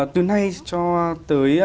từ nay cho tới